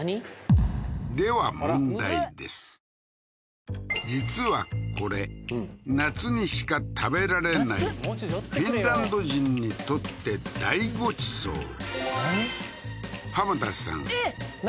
では実はこれ夏にしか食べられないフィンランド人にとって大ご馳走田さんえっ？